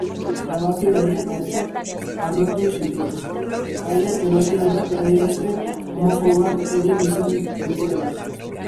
Erabaki horrek hautsak harrotu zituen, epaile donostiarrak adierazpen homofoboak egin izan dituelako.